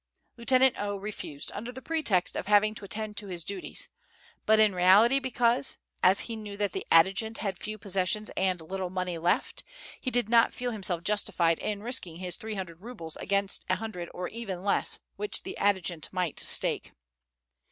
Lieutenant O. refused, under the pretext of having to attend to his duties, but in reality because, as he knew that the adjutant had few possessions and little money left, he did not feel himself justified in risking his three hundred rubles against a hundred or even less which the adjutant might stake.